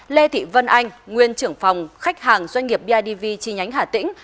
lê thị vân anh nguyên trưởng phòng khách hàng doanh nghiệp bidv chi nhánh hà tĩnh